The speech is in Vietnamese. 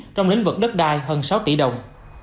trong lĩnh vực đất đai hơn sáu tỷ đồng